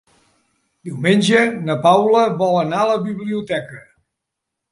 Diumenge na Paula vol anar a la biblioteca.